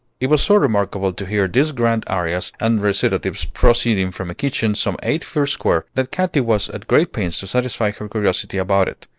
It was so remarkable to hear these grand arias and recitatives proceeding from a kitchen some eight feet square, that Katy was at great pains to satisfy her curiosity about it.